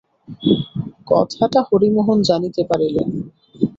কথাটা হরিমোহন জানিতে পারিলেন।